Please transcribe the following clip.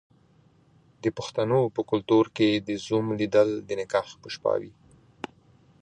د پښتنو په کلتور کې د زوم لیدل د نکاح په شپه وي.